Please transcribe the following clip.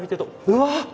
うわ！